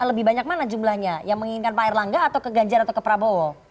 lebih banyak mana jumlahnya yang menginginkan pak erlangga atau ke ganjar atau ke prabowo